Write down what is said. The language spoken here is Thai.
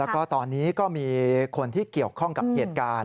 แล้วก็ตอนนี้ก็มีคนที่เกี่ยวข้องกับเหตุการณ์